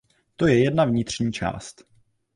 To je jedna vnitřní část.